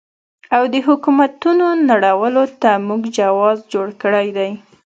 او د حکومتونو نړولو ته مو جواز جوړ کړی دی.